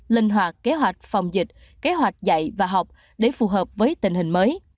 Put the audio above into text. linh hoạt kế hoạch phòng dịch kế hoạch dạy và học để phù hợp với tình hình mới